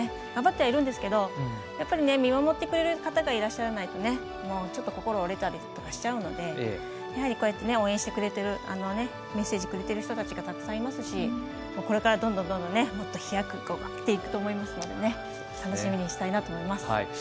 頑張ってはいるんですけど見守ってくれる方がいらっしゃらないとちょっと心折れたりとかしちゃうので応援してくれているメッセージくれている人たちがたくさんいますしこれからどんどんもっと飛躍していくと思いますので楽しみにしたいなと思います。